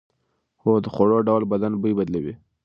هو، د خوړو ډول بدن بوی بدلوي.